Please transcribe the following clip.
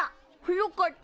よかった！